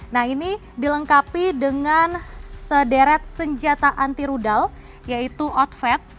nah ini dilengkapi dengan sederet senjata anti rudal yaitu outfet